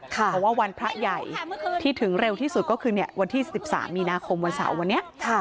เพราะว่าวันพระใหญ่ที่ถึงเร็วที่สุดก็คือวันที่๑๓มีนาคมวันเสาร์วันนี้